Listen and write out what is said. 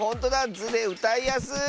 「ズ」でうたいやすい！